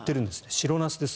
白ナスです。